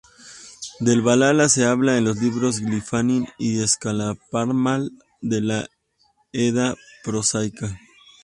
Del Valhalla se habla en los libros "Gylfaginning" y "Skáldskaparmál" de la Edda prosaica.